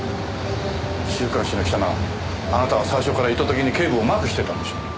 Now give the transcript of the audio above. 週刊誌の記者ならあなたは最初から意図的に警部をマークしていたんでしょう？